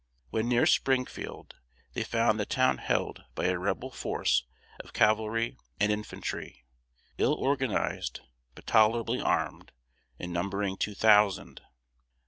When near Springfield, they found the town held by a Rebel force of cavalry and infantry, ill organized, but tolerably armed, and numbering two thousand.